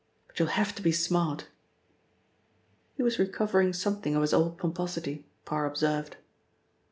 But you'll have to be smart." He was recovering something of his old pomposity. Parr observed.